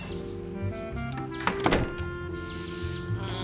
うん！